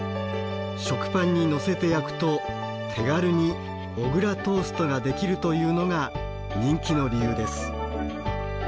食パンにのせて焼くと手軽に小倉トーストができるというのが人気の理由です。